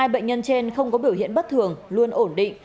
hai bệnh nhân trên không có biểu hiện bất thường luôn ổn định